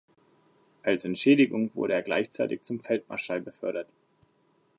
Als Entschädigung wurde er gleichzeitig zum Feldmarschall befördert.